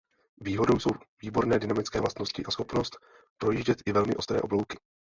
Výhodou jsou výborné dynamické vlastnosti a schopnost projíždět i velmi ostré oblouky.